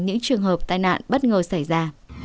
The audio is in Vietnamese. những trường hợp tai nạn bất ngờ xảy ra